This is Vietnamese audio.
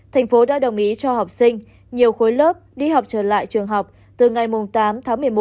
thành phố đã đồng ý cho học sinh nhiều khối lớp đi học trở lại trường học từ ngày tám tháng một mươi một năm hai nghìn hai mươi một